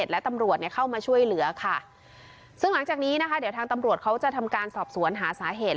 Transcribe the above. และตำรวจเนี่ยเข้ามาช่วยเหลือค่ะซึ่งหลังจากนี้นะคะเดี๋ยวทางตำรวจเขาจะทำการสอบสวนหาสาเหตุ